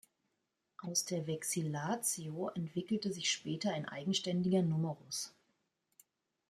Aus der Vexillatio entwickelte sich später ein eigenständiger Numerus.